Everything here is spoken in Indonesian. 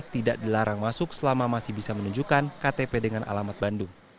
tidak dilarang masuk selama masih bisa menunjukkan ktp dengan alamat bandung